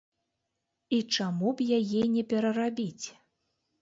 І чаму б яе не перарабіць?